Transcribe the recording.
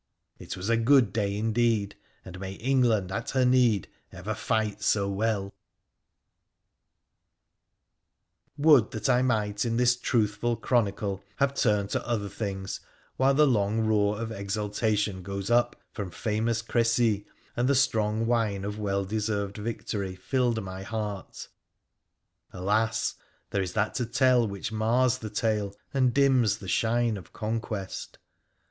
It was a good day indeed, and may Eng land at her need ever fight so well ! Would that I might in this truthful chronicle have turned to other things while the long roar of exultation goes up from p 2io WONDERFUL ADVENTURES OF famous Crecy and the strong wine of well deserved victory filled my heart ! Alas ! there is that to tell which mars the tale and dims the shine of conquest.